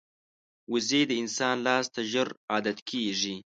وزې د انسان لاس ته ژر عادت کېږي